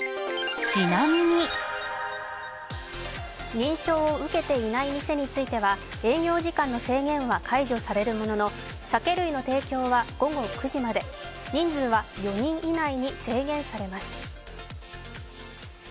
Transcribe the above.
認証を受けていない店については営業時間の制限は解除されるものの酒類の提供は午後９時まで、人数は４人以内に制限されます。